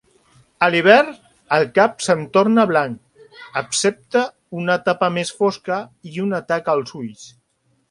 A l'hivern, el cap s'en torna blanc excepte un tapa més fosca i una taca als ulls.